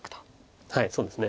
はいそうですね。